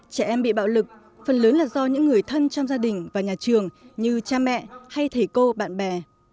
trẻ em bị bạo lực phần lớn là do những người thân trong gia đình và nhà trường như cha mẹ hay thầy cô bạn bè